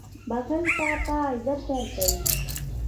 • بښل تا ته عزت درکوي.